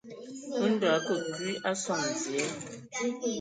Ndɔ a akə kwi a sɔŋ dzie.